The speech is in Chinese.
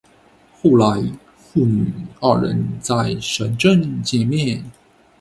后来父女二人在深圳见面。